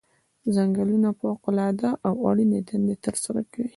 ځنګلونه فوق العاده او اړینې دندې ترسره کوي.